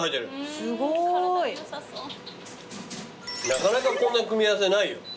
なかなかこんな組み合わせないよ。